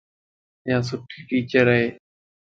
ائي سُٺي ٽيچر ا